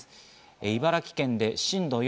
茨城県で震度４。